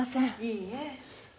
いいえ。